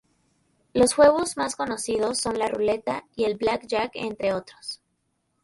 Los juegos más conocidos son la Ruleta y el Blackjack, entre otros.